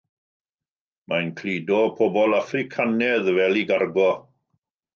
Mae'n cludo pobl Affricanaidd fel ei gargo.